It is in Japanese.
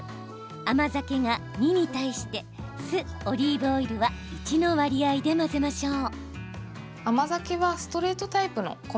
甘酒が２に対して酢、オリーブオイルは１の割合で混ぜましょう。